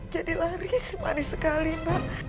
jadi laris manis sekali mbak